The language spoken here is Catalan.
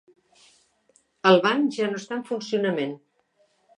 El banc ja no està en funcionament.